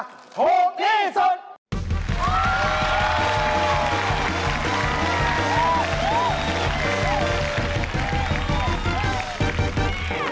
ถูกที่สุด